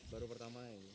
baru pertama kali